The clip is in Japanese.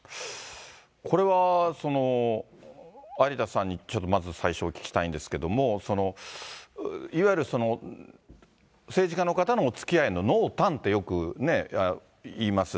これは有田さんにちょっとまず最初お聞きしたいんですけれども、いわゆる政治家の方のおつきあいの濃淡ってよく言います。